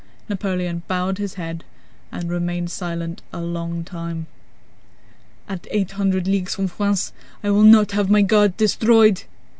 Napoleon bowed his head and remained silent a long time. "At eight hundred leagues from France, I will not have my Guard destroyed!"